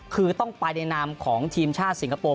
คือต้องไปในนามของทีมชาติสิงคโปร์